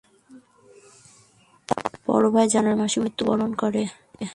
তার বড় ভাই জানুয়ারি মাসে মৃত্যুবরণ করে।